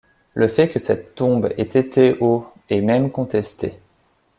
Le fait que cette tombe ait été au est même contesté.